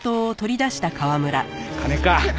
金か。